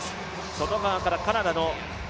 外側からカナダ。